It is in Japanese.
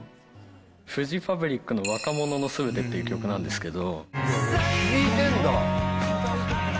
フジファブリックの若者のすべてっていう曲なんですけど。